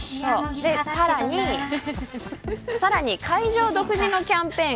さらに会場独自のキャンペーン。